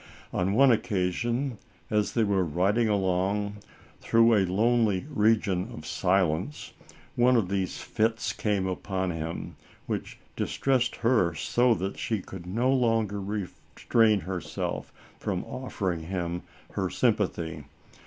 On one occasion, as they were riding along through a lonely region in silence, one of these fits came upon him, which distressed her so that she could no longer restrain herself from offer ing him her sympathy.